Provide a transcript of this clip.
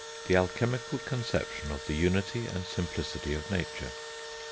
THE ALCHEMICAL CONCEPTION OF THE UNITY AND SIMPLICITY OF NATURE.